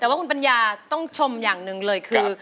แต่ว่าคุณปัญญาต้องชมอย่างหนึ่งเลยคือ